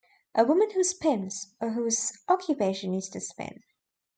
A woman who spins, or whose occupation is to spin.